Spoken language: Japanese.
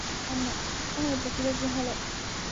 雨時々はれ